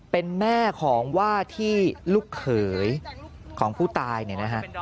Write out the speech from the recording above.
เป็นแม่ของว่าที่ลูกเขยของผู้ตายเนี่ยนะฮะ